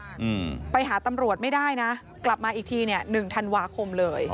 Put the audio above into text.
อืมไปหาตำรวจไม่ได้นะกลับมาอีกทีเนี้ยหนึ่งธันวาคมเลย